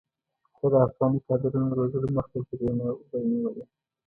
که د افغاني کادرونو روزلو مخه جګړې نه وی نیولې.